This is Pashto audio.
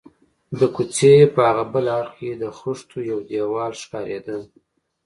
د کوڅې په هاغه بل اړخ کې د خښتو یو دېوال ښکارېده.